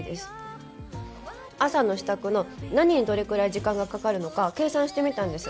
朝の支度の何にどれくらい時間がかかるのか計算してみたんです。